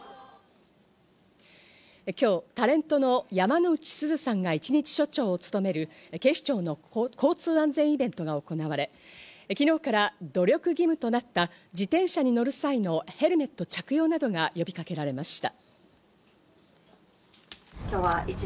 今日、タレントの山之内すずさんが一日署長をつとめる警視庁の交通安全イベントが行われ、昨日から努力義務となった自転車に乗る際のヘルメット着用などが呼びかけられました。